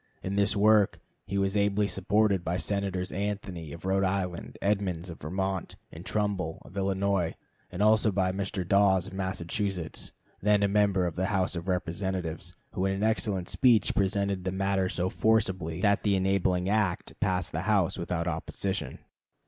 In this work he was ably supported by Senators Anthony, of Rhode Island, Edmunds, of Vermont, and Trumbull, of Illinois, and also by Mr. Dawes, of Massachusetts, then a member of the House of Representatives, who in an excellent speech presented the matter so forcibly that the enabling act passed the House without opposition.